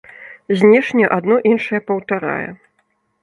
Знешне адно іншае паўтарае.